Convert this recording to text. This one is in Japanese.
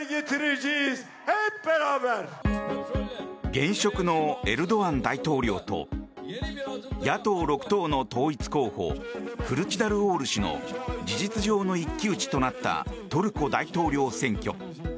現職のエルドアン大統領と野党６党の統一候補クルチダルオール氏の事実上の一騎打ちとなったトルコ大統領選挙。